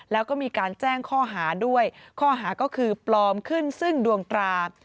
แล้วก็มีการแจ้งข้อหาด้วยข้อหาก็คือปลอมขึ้นซึ่งดวงตรา